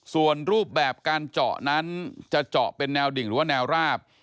ส่วนรูปแบบการเจาะนั้นจะเจาะเป็นแนวดิ่งหรือว่าแนวราบ